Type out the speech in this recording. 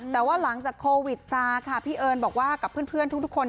แต่ว่าหลังจากโควิดซาค่ะพี่เอิญบอกว่ากับเพื่อนทุกคน